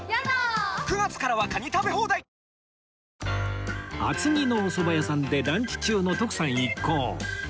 続く厚木のおそば屋さんでランチ中の徳さん一行